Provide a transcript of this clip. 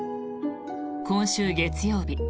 今週月曜日